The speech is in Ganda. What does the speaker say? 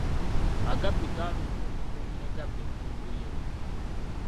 Agabbi gaalumba omukuumi ne gabba emmundu ye.